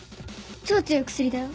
超強い薬だよ